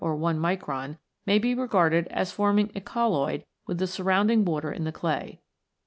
(1 micron) may be regarded as form ing a colloid with the surrounding water in the clay.